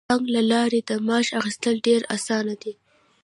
د بانک له لارې د معاش اخیستل ډیر اسانه دي.